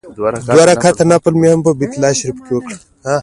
دوه رکعته نفل مې هم په بیت الله شریفه کې وکړ.